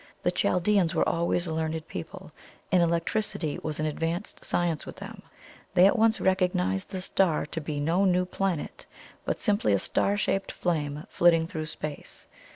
The Chaldeans were always a learned people, and electricity was an advanced science with them. They at once recognized the star to be no new planet, but simply a star shaped flame flitting through space.